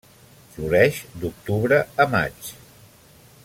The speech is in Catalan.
Floreix d'octubre a maig.